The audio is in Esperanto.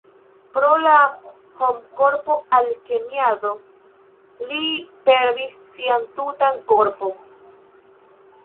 Pro la homkorpo-alkemiado, li perdis sian tutan korpon.